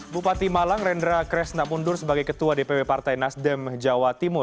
bupati malang rendra kresna mundur sebagai ketua dpp partai nasdem jawa timur